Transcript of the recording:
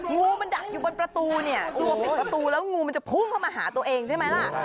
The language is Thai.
งูมันดักอยู่บนประตูเนี่ยกลัวปิดประตูแล้วงูมันจะพุ่งเข้ามาหาตัวเองใช่ไหมล่ะ